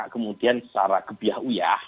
kemudian secara kebiahuya